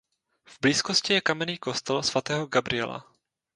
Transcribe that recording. V blízkosti je kamenný kostel svatého Gabriela.